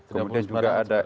kemudian juga ada